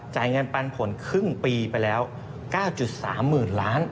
จ่ายเงินปันผลครึ่งปีไปแล้ว๙๓๐๐๐ล้าน